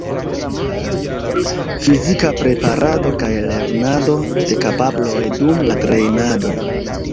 Fizika preparado kaj lernado de kapabloj dum la trejnado.